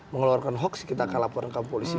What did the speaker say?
mengeluarkan hoaks kita akan laporkan polisi